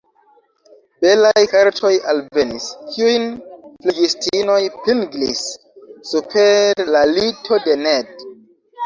Belaj kartoj alvenis, kiujn flegistinoj pinglis super la lito de Ned.